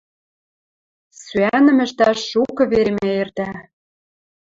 Сӱӓнӹм ӹштӓш шукы веремӓ эртӓ...